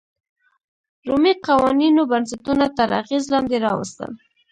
رومي قوانینو بنسټونه تر اغېز لاندې راوستل.